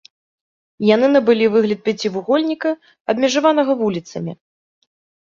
Яны набылі выгляд пяцівугольніка, абмежаванага вуліцамі.